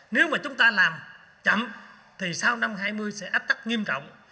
nếu mà chúng ta làm chậm thì sau năm hai mươi sẽ ách tắc nghiêm trọng